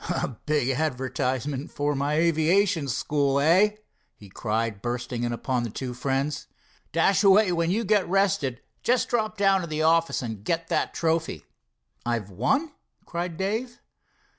"A big advertisement for my aviation school, hey?" he cried, bursting in upon the two friends. "Dashaway, when you get rested just drop down to the office and get that trophy." "I've won?" cried Dave.